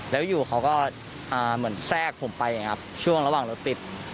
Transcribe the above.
แล้วอยู่เขาก็แทรกผมไปอย่างนี้ครับช่วงระหว่างรถติด